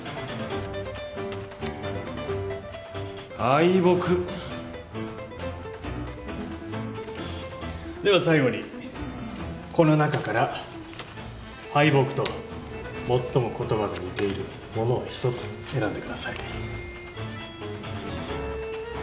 「敗北」では最後にこの中から「敗北」と最も言葉が似ているものを１つ選んでください。